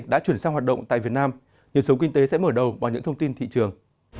đã chuyển sang hoạt động tại việt nam nhật sống kinh tế sẽ mở đầu bằng những thông tin thị trường